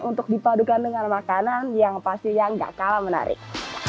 untuk dipadukan dengan makanan yang pastinya gak kalah menarik